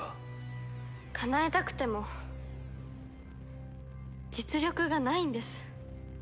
かなえたくても実力がないんです。